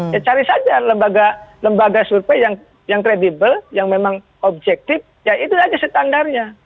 ya cari saja lembaga survei yang kredibel yang memang objektif ya itu saja standarnya